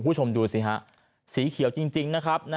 คุณผู้ชมดูสิฮะสีเขียวจริงนะครับ